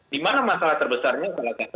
di mana masalah terbesarnya